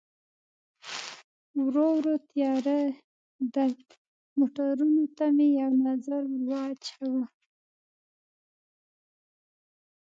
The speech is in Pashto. ورو ورو تیارېدل، موټرونو ته مې یو نظر ور واچاوه.